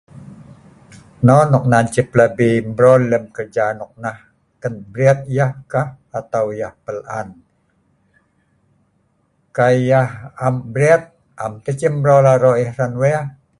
Non nok nan ceh plabi mrool lem kerja nok nah. Kan breed yeh kah atau yen pel an. Kai yeh am breed am ceh mrool aroq yeh hran wey